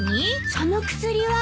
その薬は。